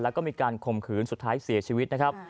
แล้วก็มีการข่มขืนสุดท้ายเสียชีวิตนะครับ